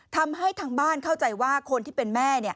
ทำให้ทางบ้านเข้าใจว่าคนที่เป็นแม่